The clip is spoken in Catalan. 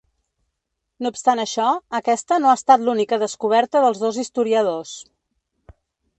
No obstant això , aquesta no ha estat l’única descoberta dels dos historiadors.